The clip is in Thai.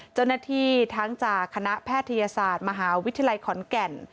เจ้าหน้าที่ทั้งจากคณะแพทยศาสตร์มหาวิทยาลัยขอนแก่น